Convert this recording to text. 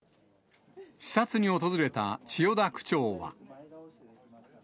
視察に訪れた千代田区長は。